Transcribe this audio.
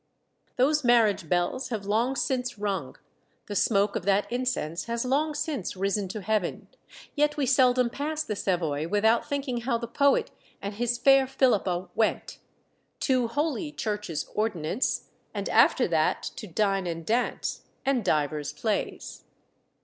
Those marriage bells have long since rung, the smoke of that incense has long since risen to heaven, yet we seldom pass the Savoy without thinking how the poet and his fair Philippa went "To holy church's ordinance, And after that to dine and dance, ... and divers plays."